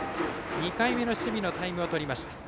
２回目の守備のタイムをとりました。